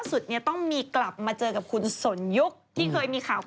คนรุ่นใหม่ไม่ต้องกลัวเทียบโสดไปเลยเพราะว่า